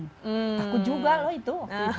takut juga loh itu